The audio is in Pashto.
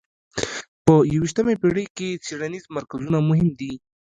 په یویشتمه پېړۍ کې څېړنیز مرکزونه مهم دي.